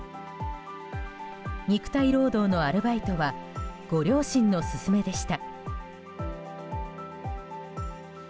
肉体労働のアルバイトはご両親の勧めでした。